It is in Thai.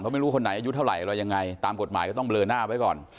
ไม่รู้คนไหนอายุเท่าไหร่อะไรยังไงตามกฎหมายก็ต้องเลอหน้าไว้ก่อน